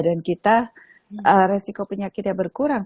dan kita resiko penyakitnya berkurang